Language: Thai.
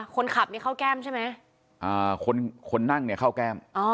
คนขับนี่เข้าแก้มใช่ไหมอ่าคนคนนั่งเนี่ยเข้าแก้ม